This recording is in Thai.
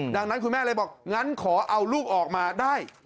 ดังนั้นคุณแม่เลยบอกงั้นขอเอาลูกออกมาได้